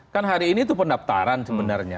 kan hari ini itu pendaftaran sebenarnya